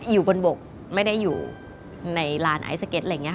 อยู่บนบกไม่ได้อยู่ในรานไอศเก็ต